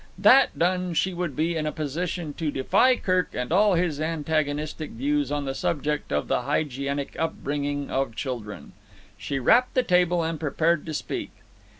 That done, she would be in a position to defy Kirk and all his antagonistic views on the subject of the hygienic upbringing of children. She rapped the table and prepared to speak.